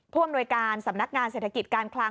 อำนวยการสำนักงานเศรษฐกิจการคลัง